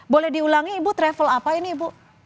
boleh diulangi ibu travel apa ini ibu